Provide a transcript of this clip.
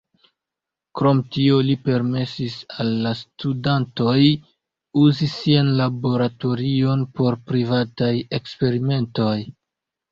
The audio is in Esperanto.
Krom tio, li permesis al la studantoj uzi sian laboratorion por privataj eksperimentoj.